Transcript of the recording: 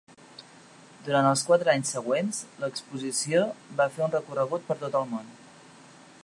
Durant els quatre anys següents, l'exposició va fer un recorregut per tot el món.